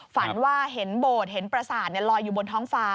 ฝันว่าเห็นโบสถ์เห็นประสาทลอยอยู่บนท้องฟ้า